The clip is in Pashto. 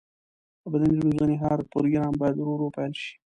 د بدني روزنې هر پروګرام باید ورو ورو پیل شي.